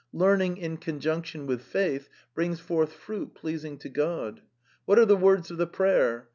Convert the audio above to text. Learning in conjunction with faith brings forth fruit pleasing to God. What are the words of the prayer?